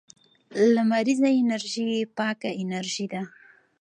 لمریزه انرژي پاکه انرژي ده